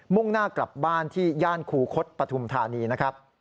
่งหน้ากลับบ้านที่ย่านคูคศปฐุมธานีนะครับ